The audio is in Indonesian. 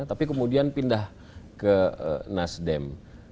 tapi kemudian pindah ke nasdem